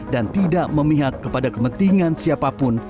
dan tidak memihak kepada kepentingan siapapun